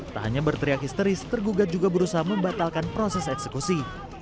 tak hanya berteriak histeris tergugat juga berusaha membatalkan proses eksekusi